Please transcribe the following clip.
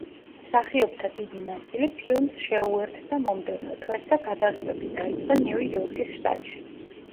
მსახიობთა დიდი ნაწილი ფილმს შეუერთდა მომდევნო თვეს და გადაღებები დაიწყო ნიუ-იორკის შტატში.